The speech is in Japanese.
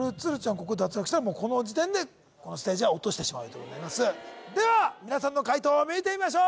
ここで脱落したらもうこの時点でこのステージは落としてしまうということになりますでは皆さんの解答を見てみましょう